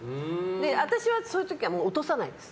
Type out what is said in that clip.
私はそういう時は落とさないです。